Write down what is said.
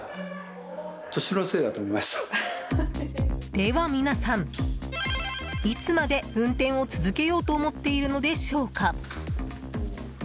では皆さん、いつまで運転を続けようと思っているのでしょうか。